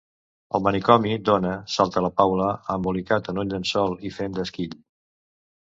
Al manicomi, dona –salta la Paula–, embolicat en un llençol i fent d'Èsquil.